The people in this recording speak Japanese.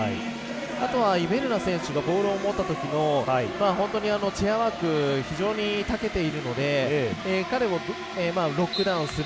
あとは、イベルナ選手がボールを持ったときの本当にチェアワークが非常にたけているので彼をロックダウンする。